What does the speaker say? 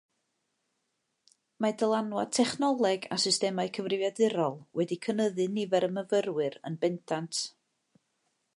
Mae dylanwad technoleg a systemau cyfrifiadurol wedi cynyddu nifer y myfyrwyr yn bendant.